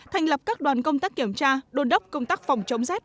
thành lập các đoàn công tác kiểm tra đồn đốc công tác phòng chống rét